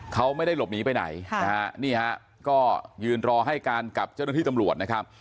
เขาไม่ได้หลบหนีไปไหนนะฮะนี่ฮะก็ยืนรอให้การกับเจ้าหน้าที่ตำรวจนะครับ